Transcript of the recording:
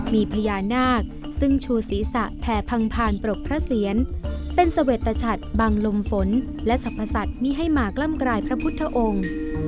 มีพญานาคซึ่งชูศีรษะแผ่พังพานปรกพระเซียนเป็นเสวตชัดบังลมฝนและสรรพสัตว์มีให้มากล้ำกลายพระพุทธองค์